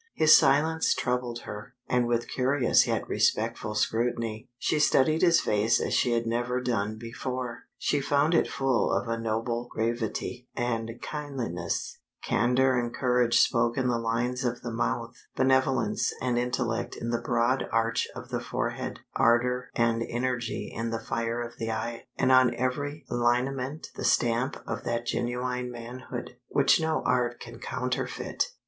His silence troubled her, and with curious yet respectful scrutiny, she studied his face as she had never done before. She found it full of a noble gravity and kindliness; candor and courage spoke in the lines of the mouth, benevolence and intellect in the broad arch of the forehead, ardor and energy in the fire of the eye, and on every lineament the stamp of that genuine manhood, which no art can counterfeit.